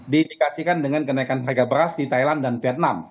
diindikasikan dengan kenaikan harga beras di thailand dan vietnam